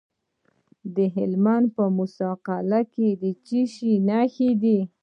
د هلمند په موسی قلعه کې د څه شي نښې دي؟